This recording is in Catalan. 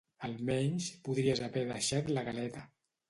Almenys, podries haver deixat la galeta.